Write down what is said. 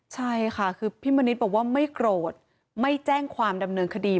ใช่ค่ะคือพี่มณิษฐ์บอกว่าไม่โกรธไม่แจ้งความดำเนินคดี